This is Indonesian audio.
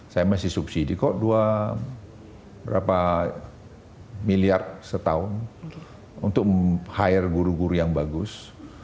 saya masih subsidi kok dua berapa miliar setahun untuk meng hire guru guru yang bagus